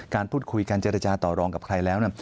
การพูดคุยการเจรจาต่อรองกับใครแล้ว